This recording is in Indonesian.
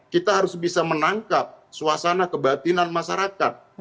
kita harus bisa menangkap suasana kebatinan masyarakat